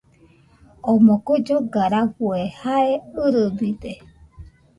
Omo kue lloga rafue jae ɨrɨbide